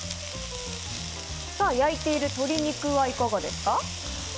焼いている鶏肉はいかがですか。